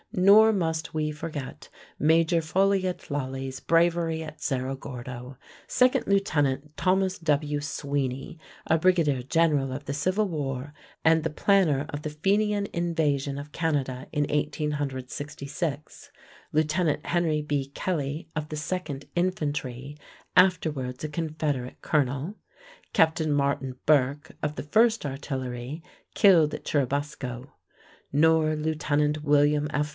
Nor must we forget Major Folliot Lally's bravery at Cerro Gordo; Second Lieutenant Thomas W. Sweeny, a brigadier general of the Civil War and the planner of the Fenian invasion of Canada in 1866; Lieutenant Henry B. Kelly of the 2nd Infantry, afterwards a Confederate colonel; Captain Martin Burke of the 1st Artillery, killed at Churubusco; nor Lieutenant William F.